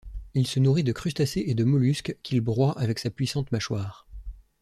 Il se nourrit de crustacés et de mollusques qu'il broie avec sa puissante mâchoire.